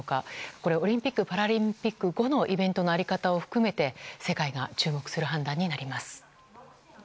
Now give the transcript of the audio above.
これは、オリンピック・パラリンピック後のイベントにあり方を含めて世界が注目する判断になります。